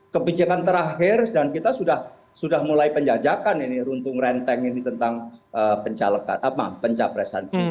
kebijakan terakhir dan kita sudah mulai penjajakan ini runtung renteng ini tentang pencapresan